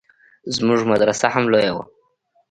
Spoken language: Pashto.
زموږ مدرسه هم لويه وه.